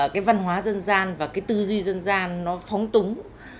cái văn hóa dân gian và cái tư duy dân gian nó phóng túng